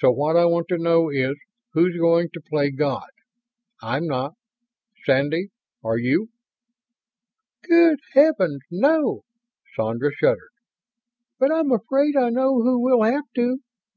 So what I want to know is, who's going to play God. I'm not. Sandy, are you?" "Good Heavens, no!" Sandra shuddered. "But I'm afraid I know who will have to.